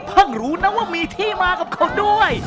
รู้นะว่ามีที่มากับเขาด้วย